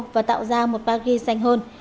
và tạo ra một paris xanh hơn